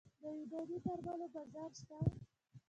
د یوناني درملو بازار شته؟